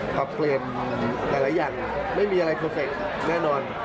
ปรับเปลี่ยนหลายอย่างไม่มีอะไรเพอร์เฟคแน่นอน